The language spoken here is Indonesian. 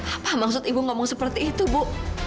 apa maksud ibu ngomong seperti itu bu